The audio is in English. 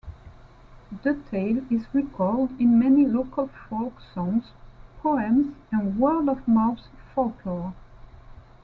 The tale is recalled in many local folk songs, poems and word-of-mouth folklore.